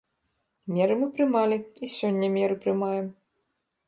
Меры мы прымалі і сёння меры прымаем.